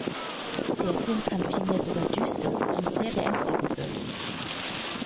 Der Film kann vielmehr sogar düster und sehr beängstigend wirken.